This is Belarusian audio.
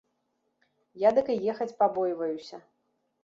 Я дык і ехаць пабойваюся.